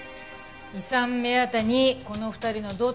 遺産目当てにこの２人のどっちかがやった。